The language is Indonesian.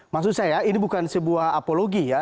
maksud saya ini bukan sebuah apologi ya